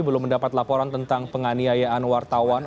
belum mendapat laporan tentang penganiayaan wartawan